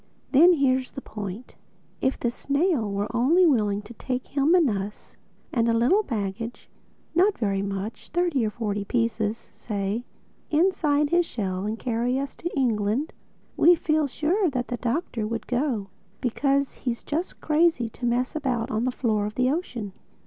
Then here's the point: if this snail were only willing to take him and us—and a little baggage—not very much, thirty or forty pieces, say—inside his shell and carry us to England, we feel sure that the Doctor would go; because he's just crazy to mess about on the floor of the ocean.